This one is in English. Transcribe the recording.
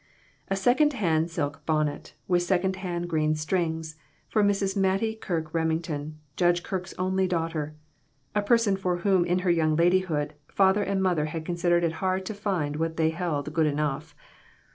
A second hand silk bonnet, with second hand green strings, for Mrs. Mattie Kirke Remington, Judge Kirke's only daughter a person for whom in her young ladyhood, father and mother had considered it hard to find what they held good enough.